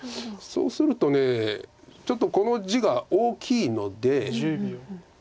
そうするとちょっとこの地が大きいので。